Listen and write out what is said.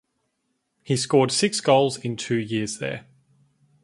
He scored six goals in two years there.